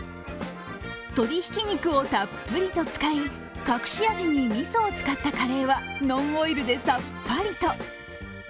鶏ひき肉をたっぷり使い隠し味にみそを使ったカレーはノンオイルでさっぱりと。